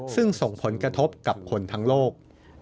ซึ่งส่งผลกระทบกับคนทั้งโลก